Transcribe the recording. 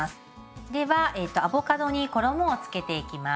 ではえとアボカドに衣をつけていきます。